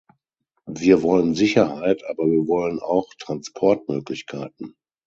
Wir wollen Sicherheit, aber wir wollen auch Transportmöglichkeiten.